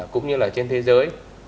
cũng như là trên thế giới